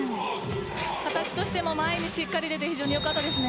形としても、前にしっかり出て非常によかったです。